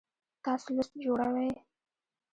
تاسو لیست جوړوئ؟